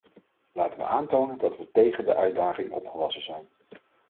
Laten we aantonen dat we tegen de uitdaging opgewassen zijn.